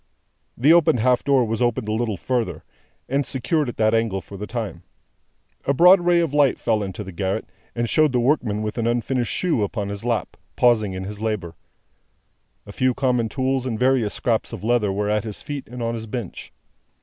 The opened half door was opened a little further, and secured at that angle for the time. A broad ray of light fell into the garret, and showed the workman with an unfinished shoe upon his lap, pausing in his labour. His few common tools and various scraps of leather were at his feet and on his bench.